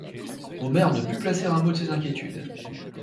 Omer ne put placer un mot de ses inquiétudes.